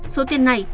số tiền này